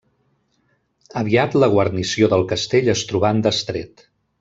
Aviat la guarnició del castell es trobà en destret.